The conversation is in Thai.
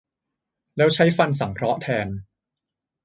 แล้วใช้ฟันสังเคราะห์แทน